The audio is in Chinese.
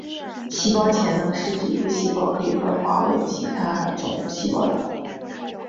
细胞潜能是指一个细胞可以分化为其他种细胞的能力。